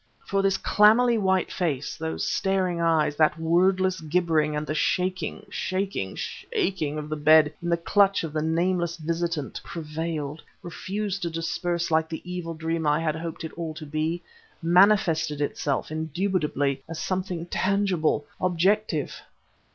For this clammily white face, those staring eyes, that wordless gibbering, and the shaking, shaking, shaking of the bed in the clutch of the nameless visitant prevailed, refused to disperse like the evil dream I had hoped it all to be; manifested itself, indubitably, as something tangible objective....